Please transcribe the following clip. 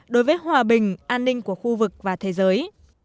đối với hòa bình an ninh của khu vực và thế giới